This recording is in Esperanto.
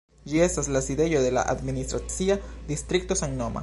Ĝi estas la sidejo de la administracia distrikto samnoma.